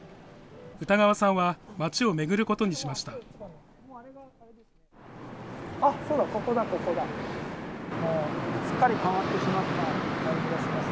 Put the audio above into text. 歌川さんは町を巡ることにしました。